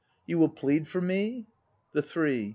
You will plead for me? THE THREE.